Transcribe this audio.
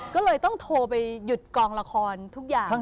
ก็เลยต้องโทรไปหยุดกองละครทุกอย่าง